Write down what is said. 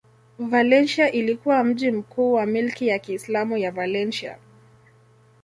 Valencia ilikuwa mji mkuu wa milki ya Kiislamu ya Valencia.